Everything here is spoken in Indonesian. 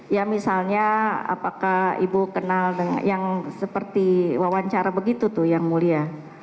ya misalnya apakah ibu kenal yang seperti wawancara begitu tuh yang mulia